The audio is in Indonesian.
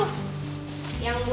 oh udah mendingan